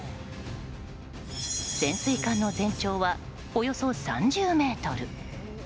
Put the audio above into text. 潜水艦の全長はおよそ３０ｍ。